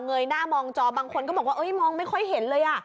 ยหน้ามองจอบางคนก็บอกว่ามองไม่ค่อยเห็นเลย